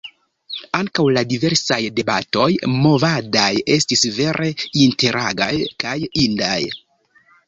Ankaŭ la diversaj debatoj movadaj estis vere interagaj kaj indaj.